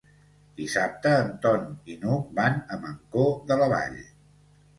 Dissabte en Ton i n'Hug van a Mancor de la Vall.